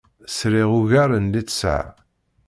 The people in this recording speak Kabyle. Sriɣ ugar n littseɛ.